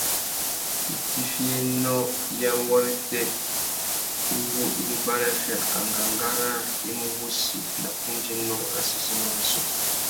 Itiffiyénô ya wôrêtê uwú i mú baraffia angangá râā i mú wussi nà kundzénô râ séssénô rissú.